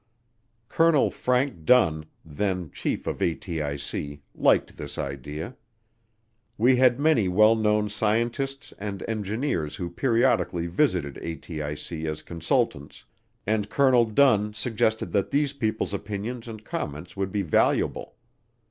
Colonel Frank Dunn, then chief of ATIC, liked this idea. We had many well known scientists and engineers who periodically visited ATIC as consultants, and Colonel Dunn suggested that these people's opinions and comments would be valuable.